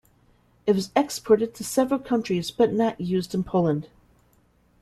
It was exported to several countries, but not used in Poland.